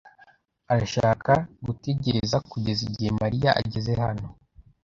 arashaka gutegereza kugeza igihe Mariya ageze hano.